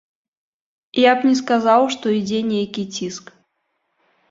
Я б не сказаў, што ідзе нейкі ціск.